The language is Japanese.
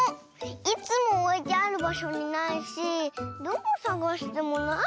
いつもおいてあるばしょにないしどこさがしてもないの。